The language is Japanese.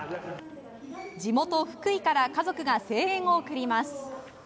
地元・福井から家族が声援を送ります。